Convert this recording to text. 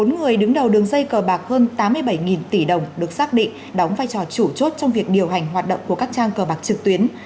bốn người đứng đầu đường dây cờ bạc hơn tám mươi bảy tỷ đồng được xác định đóng vai trò chủ chốt trong việc điều hành hoạt động của các trang cờ bạc trực tuyến